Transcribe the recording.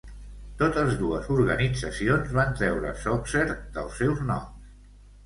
Totes dues organitzacions van treure "soccer" dels seus noms.